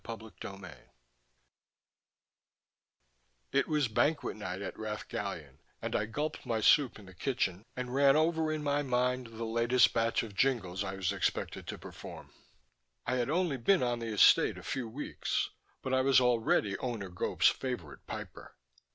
CHAPTER XIV It was banquet night at Rath Gallion, and I gulped my soup in the kitchen and ran over in my mind the latest batch of jingles I was expected to perform. I had only been on the Estate a few weeks, but I was already Owner Gope's favorite piper.